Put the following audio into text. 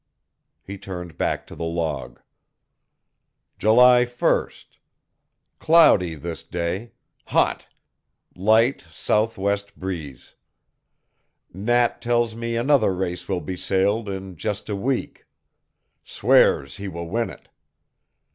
He turned back to the log. "July 1: Cloudy this day. Hot. Light S. W. breeze. Nat tells me another race will be sailed in just a week. Swears he will win it.